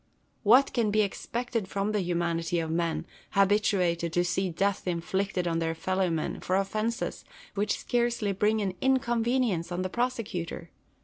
What can be expected from the humanity of men, habituated to see death inflicted on their fellow men, for offences which scarcely bring an inconvenience on the prosecutor